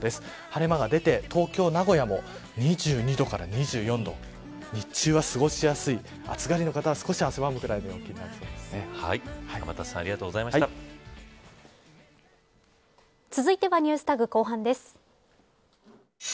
晴れ間が出て東京、名古屋も２２度から２４度日中は過ごしやすい暑がりの方は少し汗ばむくらいの天達さん続いてはＮｅｗｓＴａｇ後半です。